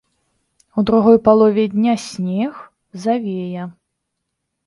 У другой палове дня снег, завея.